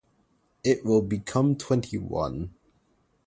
It will become twenty-one.